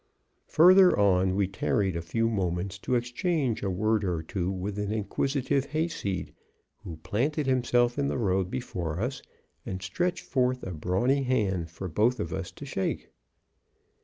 Further on we tarried a few moments to exchange a word or two with an inquisitive hayseed, who planted himself in the road before us, and stretched forth a brawny hand for both of us to shake.